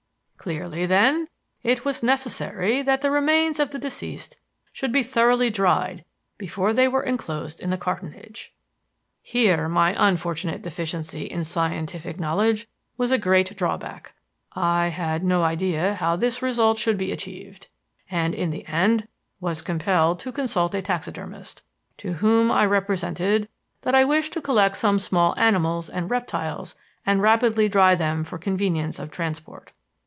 Clearly, then, it was necessary that the remains of the deceased should be thoroughly dried before they were enclosed in the cartonnage. "Here my unfortunate deficiency in scientific knowledge was a great drawback. I had no idea how this result would be achieved and, in the end, was compelled to consult a taxidermist, to whom I represented that I wished to collect some small animals and reptiles and rapidly dry them for convenience of transport.